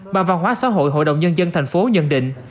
bà văn hóa xã hội hội đồng nhân dân tp hcm nhận định